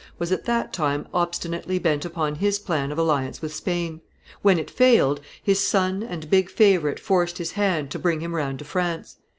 was at that time obstinately bent upon his plan of alliance with Spain; when it failed, his son and big favorite forced his hand to bring him round to France.